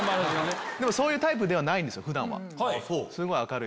そういうタイプではないんです普段は。